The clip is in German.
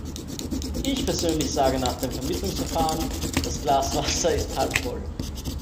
Ich persönlich sage nach dem Vermittlungsverfahren, das Glas Wasser ist halbvoll.